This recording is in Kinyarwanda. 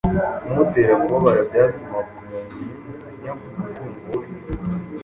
Kumutera kubabara byatumaga umuntu anyagwa umutingo we,